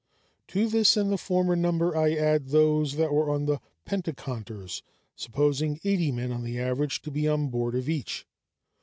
To this and the former number I add those that were on the penteconters supposing eighty men on the average to be on board of each.